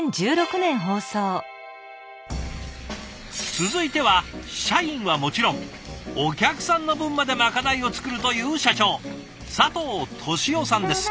続いては社員はもちろんお客さんの分までまかないを作るという社長佐藤俊雄さんです。